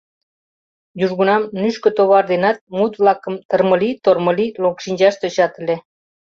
Южгунам нӱшкӧ товар денат мут-влакым тырмыли-тормыли локшинчаш тӧчат ыле.